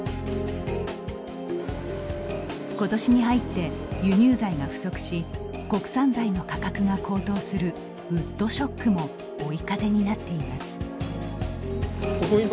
ことしに入って、輸入材が不足し国産材の価格が高騰するウッドショックも追い風になっています。